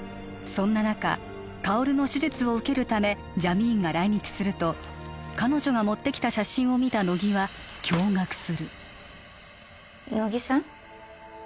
そんな中薫の手術を受けるためジャミーンが来日すると彼女が持ってきた写真を見た乃木は驚がくする乃木さん？